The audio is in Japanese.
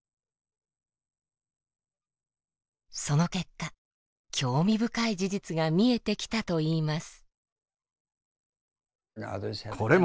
その結果興味深い事実が見えてきたといいます。